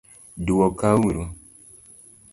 dwoka uru